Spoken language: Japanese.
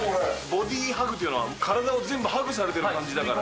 ボディハグというのは、体を全部ハグされている感じだから。